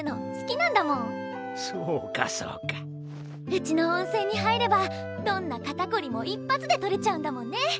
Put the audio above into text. うちの温泉に入ればどんな肩こりも一発で取れちゃうんだもんね！